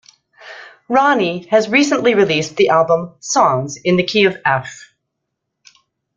Ronnie has recently released the album "Songs in the Key of F".